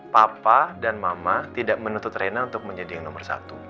papa dan mama tidak menuntut rena untuk menjadi yang nomor satu